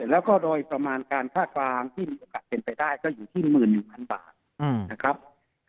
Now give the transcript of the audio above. แล้วก็โดยประมาณค่าข้าวที่มีโอกาสเป็นไปได้ก็อยู่ที่๑๑๐๐๐บาท